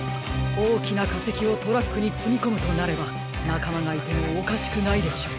おおきなかせきをトラックにつみこむとなればなかまがいてもおかしくないでしょう。